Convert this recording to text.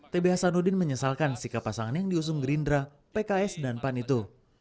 tb hasanuddin menyesalkan sikap pasangan yang diusung gerindra pks dan pan itu